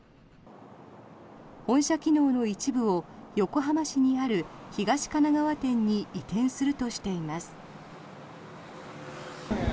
本社機能の一部を横浜市にある東神奈川店に移転するとしています。